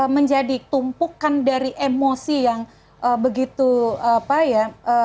menjadi tumpukan dari emosi yang begitu apa ya